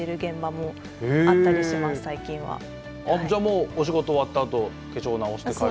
じゃあもうお仕事終わったあとけしょう直して帰ったり。